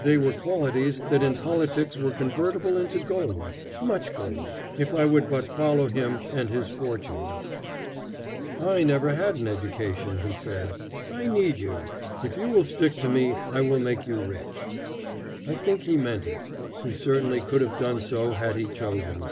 They were qualities that in politics were convertible into gold, much gold, if I would but follow him and his fortunes. "I never had an education," he said. "I need you. If you will stick to me, I will make you rich." I think he meant it. He certainly could have done so had he chosen.